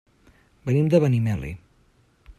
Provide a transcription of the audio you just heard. Venim de Benimeli.